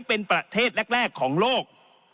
เป็นประเทศแรกของโลก